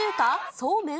そうめん？